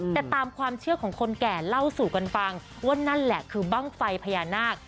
แต่ตามความเชื่อของคนแก่เล่าสู่กันฟังว่านั่นแหละคือบ้างไฟพญานาค